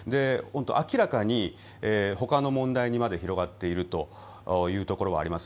明らかに、ほかの問題にまで広がっているというところはあります。